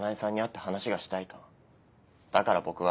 だから僕は。